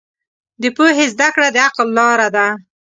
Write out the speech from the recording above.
د پوهې زده کړه د عقل لاره ده.